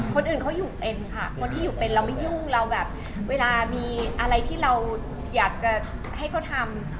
คนอื่นเขาอยู่เป็นค่ะคนที่อยู่เป็นเราไม่ยุ่งเราแบบเวลามีอะไรที่เราอยากจะให้เขาทำ